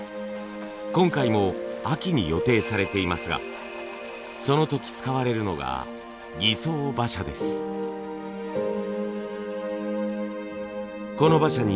今回も秋に予定されていますがその時使われるのがこの馬車に使われる馬具。